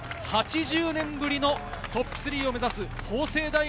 ５年ぶりのトップ３を目指す早稲田大学。